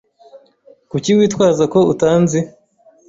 Kuki witwaza ko utanzi?